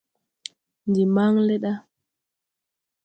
Ndi maŋn le ɗa.